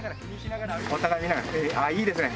お互い見ながらいいですね。